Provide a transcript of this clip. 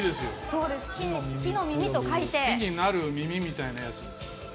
木になる耳みたいなやつ。